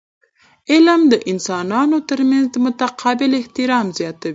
علم د انسانانو ترمنځ متقابل احترام زیاتوي.